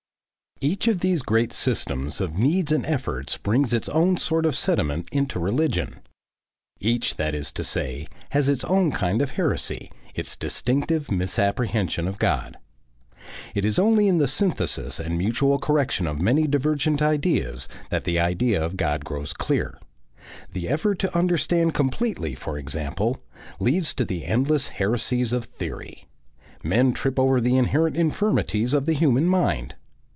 ... Each of these great systems of needs and efforts brings its own sort of sediment into religion. Each, that is to say, has its own kind of heresy, its distinctive misapprehension of God. It is only in the synthesis and mutual correction of many divergent ideas that the idea of God grows clear. The effort to understand completely, for example, leads to the endless Heresies of Theory. Men trip over the inherent infirmities of the human mind.